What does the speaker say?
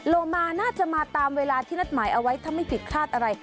โลมาน่าจะมาตามเวลาที่นัดหมายเอาไว้ถ้าไม่ผิดพลาดอะไร